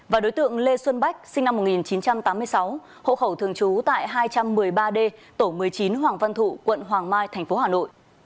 và đối tượng lê xuân bách sinh năm một nghìn chín trăm tám mươi sáu hộ khẩu thường trú tại hai trăm một mươi ba d tổ một mươi chín hoàng văn thụ quận hoàng mai tp hà nội